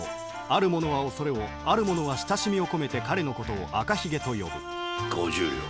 ある者は恐れをある者は親しみを込めて彼のことを赤ひげと呼ぶ５０両。